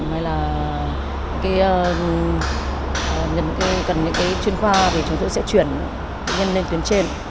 hay là cần những cái chuyên khoa thì chúng tôi sẽ chuyển nhân lên tuyến trên